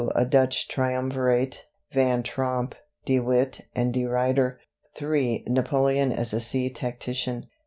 "A Dutch Triumvirate," Van Tromp, De Witt and De Ruyter. III. "Napoleon as a Sea Tactician."